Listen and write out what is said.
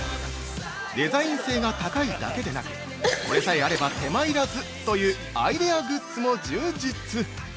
デザイン性が高いだけでなく、「これさえあれば手間いらず」というアイデアグッズも充実！